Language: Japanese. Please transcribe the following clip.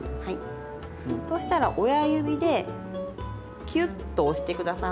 そうしたら親指でキュッと押して下さい。